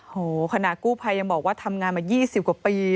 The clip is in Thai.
โหขณะกู้ภัยยังบอกว่าทำงานมา๒๐กว่าปี